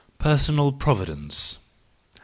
Personal Providence .